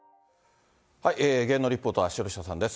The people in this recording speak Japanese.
芸能リポーター、城下さんです。